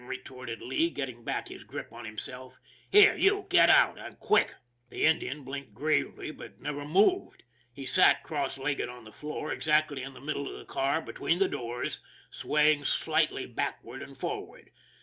" retorted Lee, getting back his grip on himself. " Here, you, get out and quick! " The Indian blinked gravely, but never moved. He sat cross legged on the floor, exactly in the middle of the car between the doors, swaying slightly backward and forward.